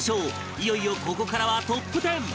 いよいよここからはトップ１０